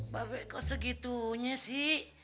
babek kok segitunya sih